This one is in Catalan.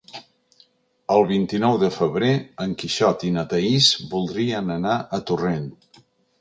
El vint-i-nou de febrer en Quixot i na Thaís voldrien anar a Torrent.